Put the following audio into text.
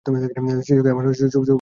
শিশুকে আমার হয়ে চুম্বন ও আশীর্বাদ দিবেন।